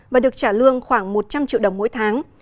và được trả lương khoảng một trăm linh triệu đồng mỗi tháng